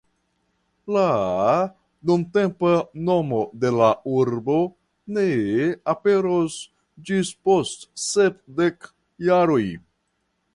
La nuntempa nomo de la urbo ne aperos ĝis post sep dek jaroj.